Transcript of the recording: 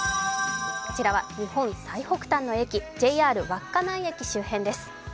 こちらは日本最北端の駅、ＪＲ稚内駅周辺です。